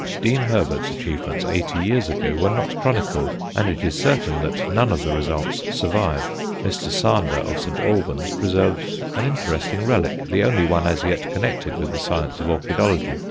Dean Herbert's achievements eighty years ago were not chronicled, and it is certain that none of the results survive. Mr. Sander of St. Albans preserves an interesting relic, the only one as yet connected with the science of orchidology.